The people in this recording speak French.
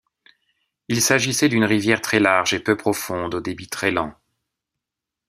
Il s'agissait d'une rivière très large et peu profonde au débit très lent.